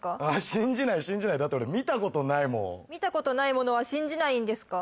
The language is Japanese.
信じない信じないだって俺見たことないもん見たことないものは信じないんですか？